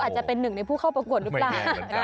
อาจจะเป็นหนึ่งในผู้เข้าประกวดหรือเปล่า